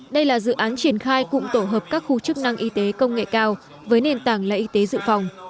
đây là dự án triển khai cụm tổ hợp các khu chức năng y tế công nghệ cao với nền tảng lễ y tế dự phòng